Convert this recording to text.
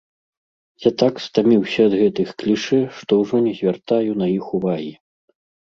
Я так стаміўся ад гэтых клішэ, што ўжо не звяртаю на іх увагі!